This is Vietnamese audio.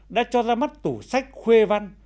đã cho ra mắt tủ sách khuê văn